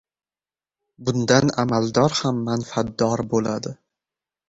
bundan amaldor ham manfaatdor bo‘ladi.